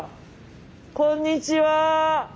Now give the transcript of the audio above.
こんにちは！